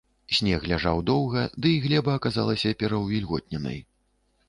Снег ляжаў доўга, дый глеба аказалася пераўвільготненай.